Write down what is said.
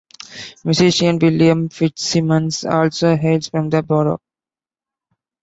Musician William Fitzsimmons also hails from the borough.